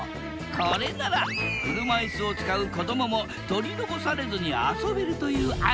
これなら車いすを使う子どもも取り残されずに遊べるという案だ。